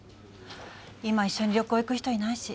今一緒に旅行行く人いないし。